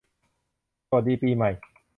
สวัสดีปีใหม่